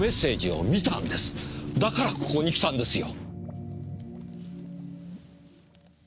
だからここに来たんですよ。